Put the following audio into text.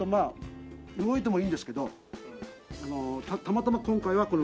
動いてもいいんですけどたまたま今回はこの動かない。